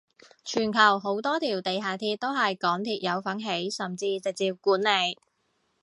全球好多條地下鐵都係港鐵有份起甚至直接管理